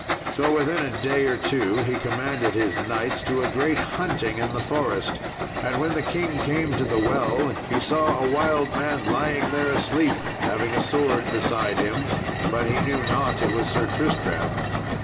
So within a day or two he commanded his knights to a great hunting in the forest. And when the king came to the well, he saw a wild man lying there asleep, having a sword beside him; but he knew not that it was Sir Tristram.